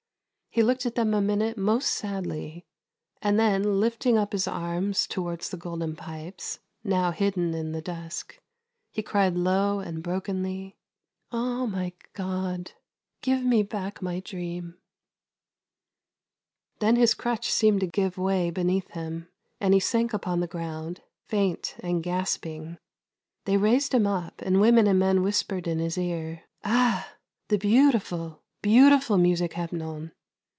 He looked at them a minute most sadly, and then lifting up his arms towards the Golden Pipes, now hidden in the dusk, he cried low and brokenly :*' Oh my God, give me back my dream !" Then his crutch seemed to give way beneath him, and he sank upon the ground, faint and gasping. They raised him up, and women and men whispered in his ear: " Ah, the beautiful, beautiful music, Hepnon